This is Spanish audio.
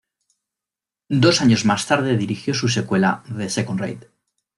Dos años más tarde dirigió su secuela: "The Second Raid".